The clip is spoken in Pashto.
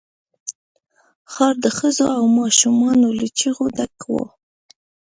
ښار د ښځو او ماشومان له چيغو ډک وو.